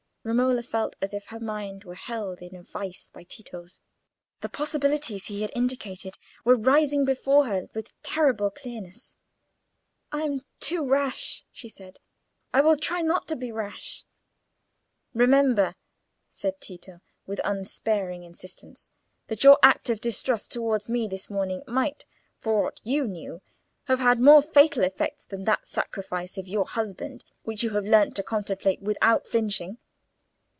Romola felt as if her mind were held in a vice by Tito's: the possibilities he had indicated were rising before her with terrible clearness. "I am too rash," she said. "I will try not to be rash." "Remember," said Tito, with unsparing insistence, "that your act of distrust towards me this morning might, for aught you knew, have had more fatal effects than that sacrifice of your husband which you have learned to contemplate without flinching."